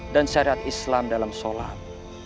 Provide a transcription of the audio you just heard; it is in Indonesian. dan syariat islam dalam sholat